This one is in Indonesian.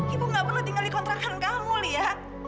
ibu gak pernah tinggal dikontrakan kamu lia